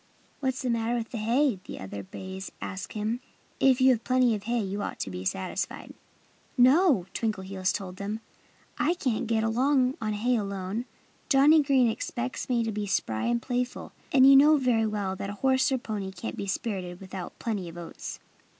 "What's the matter with hay?" the other bay asked him. "If you have plenty of hay you ought to be satisfied." "No!" Twinkleheels told him. "I can't get along on hay alone. Johnnie Green expects me to be spry and playful. And you know very well that a horse or a pony can't be spirited without plenty of oats."